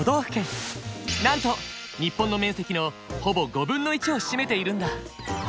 なんと日本の面積のほぼ５分の１を占めているんだ。